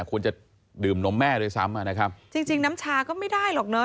ควรจะดื่มนมแม่ด้วยซ้ำอ่ะนะครับจริงจริงน้ำชาก็ไม่ได้หรอกเนอ